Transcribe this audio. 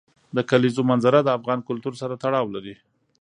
د کلیزو منظره د افغان کلتور سره تړاو لري.